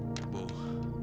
sudah sudah sudah